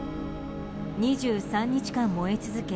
２３日間燃え続け